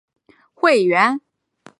自然人和法人机构都可以成为会员。